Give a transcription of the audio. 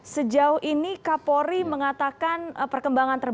sejauh ini kapolri mengatakan perkembangan terbaru